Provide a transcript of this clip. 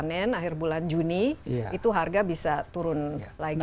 akhir bulan senin akhir bulan juni itu harga bisa turun lagi ya